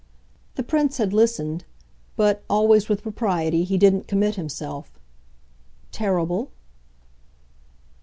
The Prince had listened; but, always with propriety, he didn't commit himself. "Terrible?"